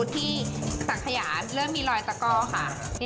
รับยู